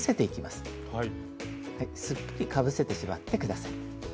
すっぽりかぶせてしまって下さい。